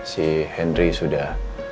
si henry sudah